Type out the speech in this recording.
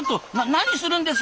何するんですか！